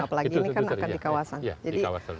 apalagi ini kan akan di kawasan